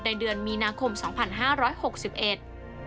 เดือนมีนาคมสองพันห้าร้อยหกสิบเอ็ด